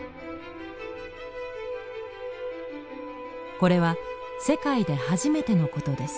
これは世界で初めてのことです。